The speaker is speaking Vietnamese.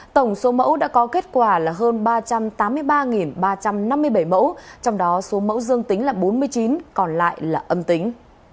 tổng số mẫu đã có kết quả là hơn ba trăm tám mươi ba ba trăm năm mươi bảy mẫu trong đó số mẫu dương tính là bốn mươi chín còn lại là âm tính